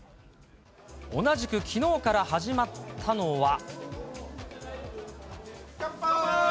同じくきのうから始まったのは。